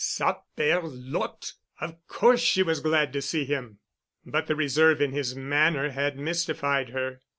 Saperlotte! Of course she was glad to see him. But the reserve in his manner had mystified her.